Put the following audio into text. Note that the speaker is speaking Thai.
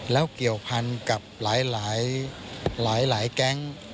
แล้วเกี่ยวพันกับหลายแก๊ง